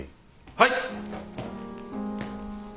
はい